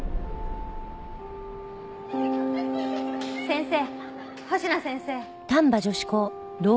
先生星名先生。